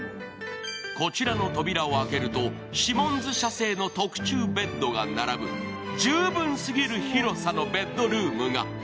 こちらの扉を開けるとシモンズ社製の特注ベッドが並ぶ十分すぎる広さのベッドルームが。